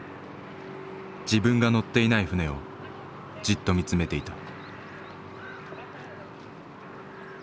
自分が乗っていない船をじっと見つめていた。